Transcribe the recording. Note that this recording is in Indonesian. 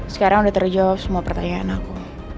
sekarang udah terjawab semua pertanyaan aku